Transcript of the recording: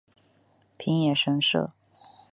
平野神社。